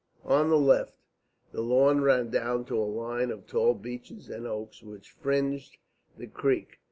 On the left the lawn ran down to a line of tall beeches and oaks which fringed the creek.